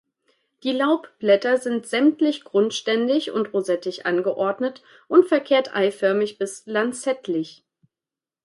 Die Laubblätter sind sämtlich grundständig und rosettig angeordnet und verkehrt-eiförmig bis lanzettlich.